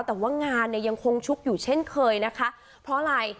แต่ว่างานเนี่ยยังคงชุกอยู่เช่นเคยนะคะเพราะอะไร